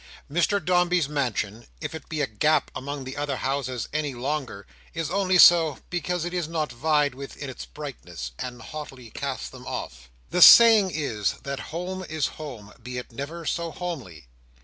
Mr Dombey's mansion, if it be a gap among the other houses any longer, is only so because it is not to be vied with in its brightness, and haughtily casts them off. The saying is, that home is home, be it never so homely.